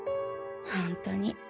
本当に。